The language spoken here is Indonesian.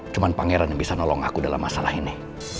cuma pangeran yang bisa nolong aku dalam masalah ini